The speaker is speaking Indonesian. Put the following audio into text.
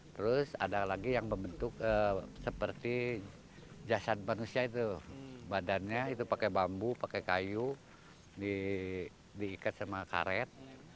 terus ada lagi yang membentuk seperti jasad manusia itu badannya itu pakai bambu pakai kayu diikat sama karet